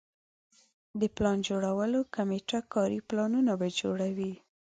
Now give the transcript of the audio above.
د پلان جوړولو کمیټه کاري پلانونه به جوړوي.